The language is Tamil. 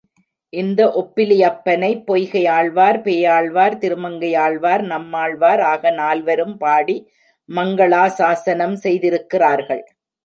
இந்த ஒப்பிலியப்பனைப் பொய்கையாழ்வார், பேயாழ்வார், திருமங்கையாழ்வார், நம்மாழ்வார் ஆக நால்வரும் பாடி மங்களாசாஸனம் செய்திருக்கிறார்கள்.